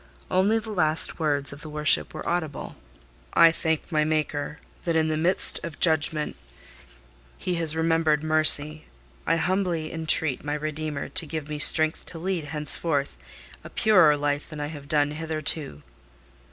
Only the last words of the worship were audible. "I thank my Maker, that, in the midst of judgment, he has remembered mercy. I humbly entreat my Redeemer to give me strength to lead henceforth a purer life than I have done hitherto!"